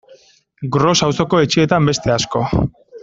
Gros auzoko etxeetan beste asko.